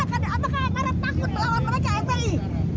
apakah amparat takut melawan mereka fpi